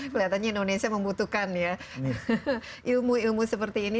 kelihatannya indonesia membutuhkan ya ilmu ilmu seperti ini